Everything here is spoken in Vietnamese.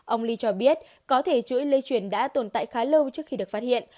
ông li cho biết có thể chuỗi lây chuyển đã tồn tại khá lâu trước khi được phát hiện